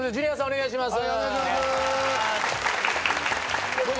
お願いします。